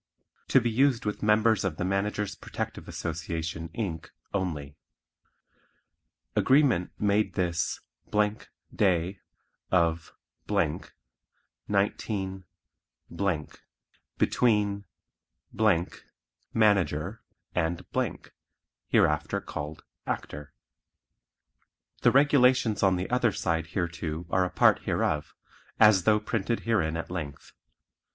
To be used with members of the Managers Protective Association, Inc. only. AGREEMENT made this day of , 19 , between ("MANAGER") and (hereinafter called "ACTOR"). The regulations on the other side hereto are a part hereof, as though printed herein at length.